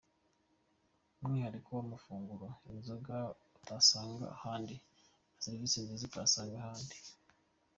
Umwihariko w’amafunguro, inzoga utasanga ahandi na serivise nziza utasanga ahandi.